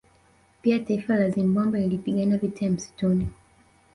Pia taifa la Zimbabwe lilipigana vita ya Msituni